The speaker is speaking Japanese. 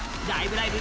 ライブ！」